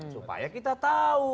supaya kita tahu